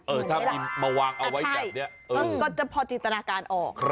เออถ้ามาวางเอาไว้แบบนี้เออใช่ก็จะพอจิตนาการออก